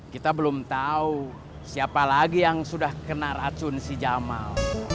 kita belum tahu siapa lagi yang sudah kena racun si jamal